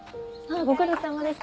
ご苦労さまです。